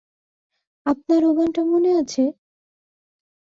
আপনার ও গানটা মনে আছে?